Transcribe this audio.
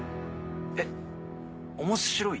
えっ面白い？